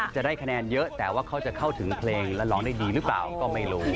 จะได้คะแนนเยอะแต่ว่าเขาจะเข้าถึงเพลงและร้องได้ดีหรือเปล่าก็ไม่รู้